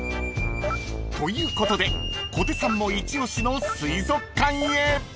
［ということで小手さんもイチオシの水族館へ］